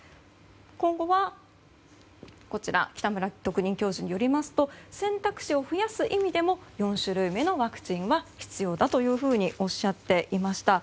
今後は北村特任教授によりますと選択肢を増やす意味でも４種類目のワクチンは必要だとおっしゃっていました。